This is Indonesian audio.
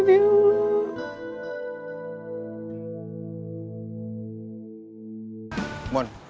abah takut ya allah